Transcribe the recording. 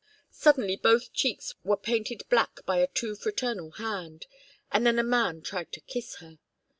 Suddenly both cheeks were painted black by a too fraternal hand, and then a man tried to kiss her.